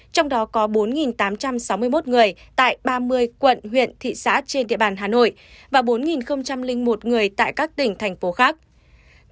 trong đó có bốn tám trăm sáu mươi một người tại ba mươi quận huyện thị xã trên địa bàn hà nội và bốn một người tại các tỉnh thành phố khác